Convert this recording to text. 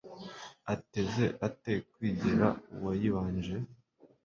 ateze ate kwigera uwayibanje